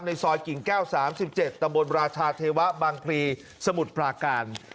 ซอยกิ่งแก้ว๓๗ตำบลราชาเทวะบางพลีสมุทรปราการ